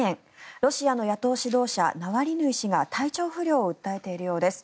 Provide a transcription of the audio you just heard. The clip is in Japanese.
ロシアの野党指導者ナワリヌイ氏が体調不良を訴えているようです。